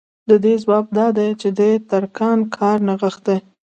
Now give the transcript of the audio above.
د دې ځواب دا دی چې د ترکاڼ کار نغښتی